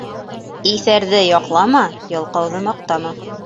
Иҫәрҙе яҡлама, ялҡауҙы маҡтама.